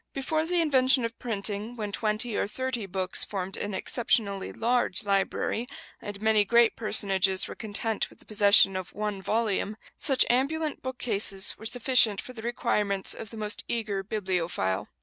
Before the invention of printing, when twenty or thirty books formed an exceptionally large library, and many great personages were content with the possession of one volume, such ambulant bookcases were sufficient for the requirements of the most eager bibliophile.